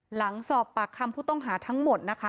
หลังสอบปากคำผู้ต้องหาทั้งหมดนะคะ